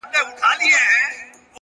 عاجزي د سترتوب نرم لباس دی.!